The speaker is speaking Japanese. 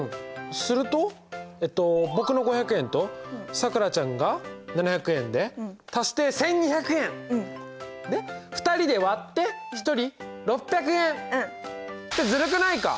するとえっと僕の５００円とさくらちゃんが７００円で足して１，２００円。で２人で割って一人６００円！ってずるくないか？